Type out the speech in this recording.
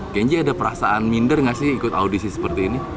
kenji ada perasaan minder gak sih ikut audisi seperti ini